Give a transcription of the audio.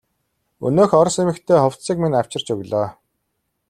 Өнөөх орос эмэгтэй хувцсыг минь авчирч өглөө.